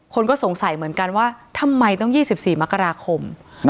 คนก็สงสัยเหมือนกันว่าทำไมต้อง๒๔มกราคม